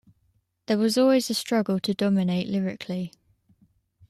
There was always a struggle to dominate lyrically.